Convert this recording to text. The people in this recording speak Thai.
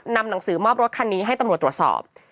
นำหนังสือมอบรถคันนี้ให้ตำรวจตรวจสอบ